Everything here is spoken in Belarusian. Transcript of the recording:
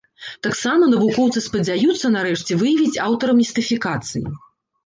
Таксама навукоўцы спадзяюцца, нарэшце, выявіць аўтара містыфікацыі.